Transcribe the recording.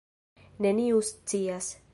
Neniu scias.